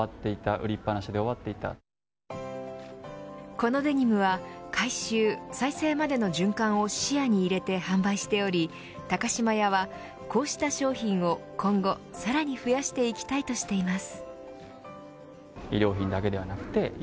このデニムは回収、再生までの循環を視野に入れて販売しており高島屋はこうした商品を今後、さらに増やしていきたいとしています。